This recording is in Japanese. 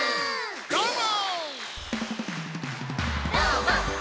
どーも！